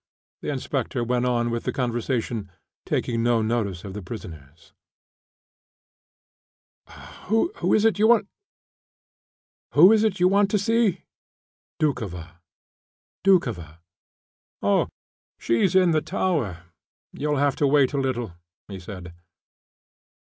The inspector went on with the conversation, taking no notice of the prisoners. "Who is it you want to see?" "Doukhova." "Oh, she's in the tower. You'll have to wait a little," he said.